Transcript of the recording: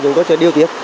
chúng tôi sẽ điều tiết